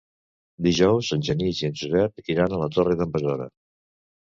Dijous en Genís i en Josep iran a la Torre d'en Besora.